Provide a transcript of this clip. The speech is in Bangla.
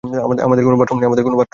আমাদের কোনো বাথরুম নেই।